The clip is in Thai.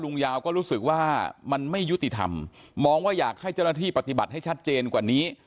ยาวก็รู้สึกว่ามันไม่ยุติธรรมมองว่าอยากให้เจ้าหน้าที่ปฏิบัติให้ชัดเจนกว่านี้